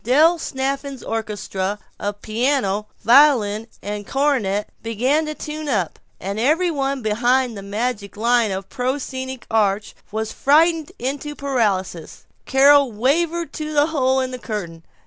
Del Snafflin's orchestra of piano, violin, and cornet began to tune up and every one behind the magic line of the proscenic arch was frightened into paralysis. Carol wavered to the hole in the curtain.